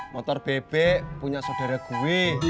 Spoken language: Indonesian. motor bebek punya saudara gue